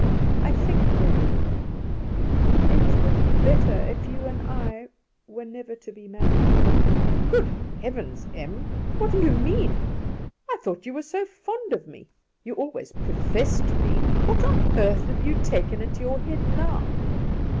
"I think, Gregory, it would be better if you and I were never to be married." "Good Heaven! Em, what do you mean? I thought you were so fond of me? You always professed to be. What on earth have you taken into your head now?"